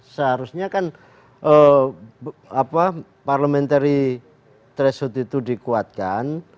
seharusnya kan parliamentary threshold itu dikuatkan